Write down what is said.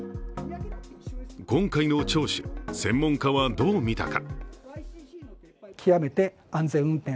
今回の聴取、専門家はどう見たか。